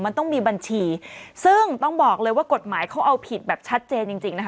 มันต้องมีบัญชีซึ่งต้องบอกเลยว่ากฎหมายเขาเอาผิดแบบชัดเจนจริงจริงนะคะ